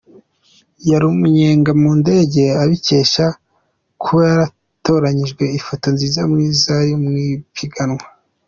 Yariye umunyenga mu ndege abikesha kuba yaratoranyije ifoto nziza mu zari mu ipiganwa.